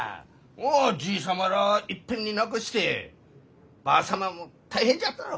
じい様らあいっぺんに亡くしてばあ様も大変じゃったろ？